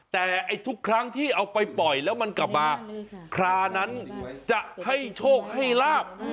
แต่ทุกครั้งที่เอาไปปล่อยแล้วมันกลับมาครานั้นจะให้โชคให้ลาบ